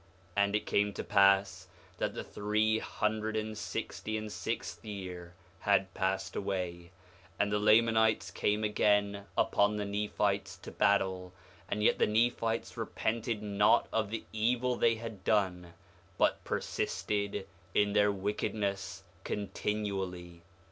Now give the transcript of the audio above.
4:10 And it came to pass that the three hundred and sixty and sixth year had passed away, and the Lamanites came again upon the Nephites to battle; and yet the Nephites repented not of the evil they had done, but persisted in their wickedness continually.